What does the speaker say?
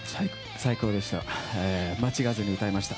最高でした。